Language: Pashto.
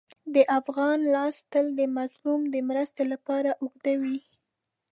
د افغان لاس تل د مظلوم د مرستې لپاره اوږد وي.